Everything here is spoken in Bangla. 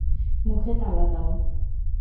মুখে তালা দাও!